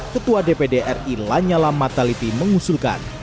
ketua dpd ri lanyala mataliti mengusulkan